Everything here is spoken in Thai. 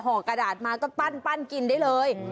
กระดาษมาก็ปั้นกินได้เลย